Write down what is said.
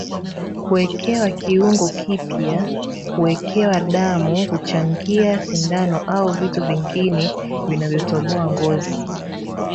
Kuwekewa kiungo kipya Kuwekewa damu kuchangia sindano au vitu vingine vinavyotoboa ngozi